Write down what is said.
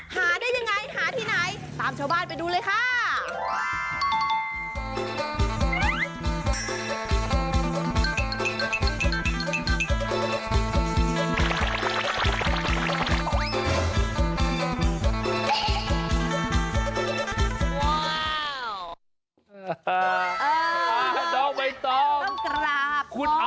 หาได้ยังไงหาที่ไหนตามชาวบ้านไปดูเลยค่ะ